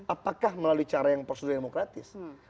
apakah melalui cara yang prosedur demokratis